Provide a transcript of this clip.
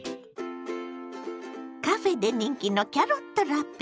カフェで人気のキャロットラペ。